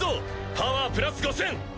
パワープラス５０００！